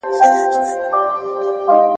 کډوال ژوند ځانګړتياوې لري.